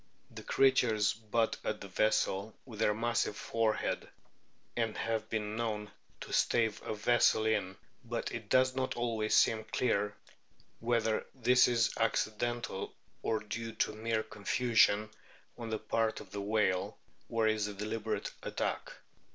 The creatures butt at the vessel with their massive forehead, and have been known to stave a vessel in ; but it does not always seem clear whether this is accidental or due to mere confusion on the part of the whale, or is a deliberate attack.